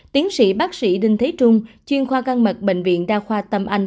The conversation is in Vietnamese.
tiến sĩ bác sĩ đinh thế trung chuyên khoa găng mật bệnh viện đa khoa tâm anh